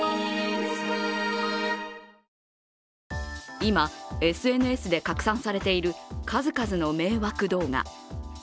今、ＳＮＳで拡散されている数々の迷惑動画。